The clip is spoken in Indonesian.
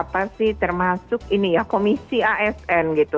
apa sih termasuk ini ya komisi asn gitu